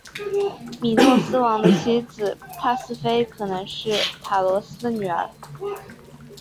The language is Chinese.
米诺斯王的妻子帕斯菲可能是塔罗斯的女儿。